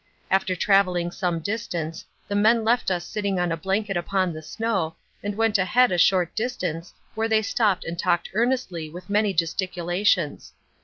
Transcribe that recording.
After travelling some distance, the men left us sitting on a blanket upon the snow, and went ahead a short distance where they stopped and talked earnestly with many gesticulations.